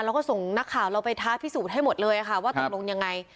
เราก็ส่งนักข่าวเราไปท้าพิสูจน์ให้หมดเลยค่ะว่าตกลงยังไง